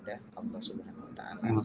o allah swt